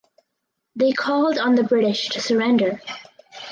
They called on the British to surrender.